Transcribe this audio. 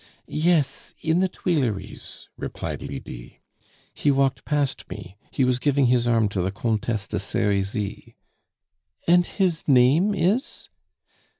"Yes, in the Tuileries," replied Lydie. "He walked past me; he was giving his arm to the Comtesse de Serizy." "And his name is?"